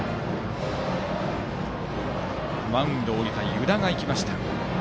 マウンドを降りた湯田が行きました。